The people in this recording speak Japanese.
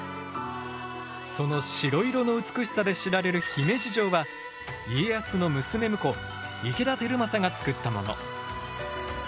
その白色の美しさで知られる姫路城は家康の娘婿池田輝政がつくったもの。